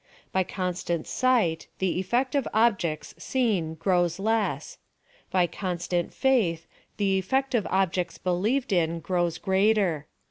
By constant sight, the effect of objects seen grows less ; by constant faith, the effect of objects believed in grows greater.